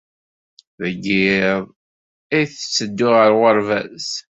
Deg yiḍ ay tetteddu ɣer uɣerbaz.